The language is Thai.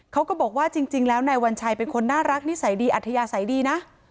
ก็บอกว่าจริงแล้วนายวัญชัยเป็นคนน่ารักนิสัยดีอัธยาศัยดีนะ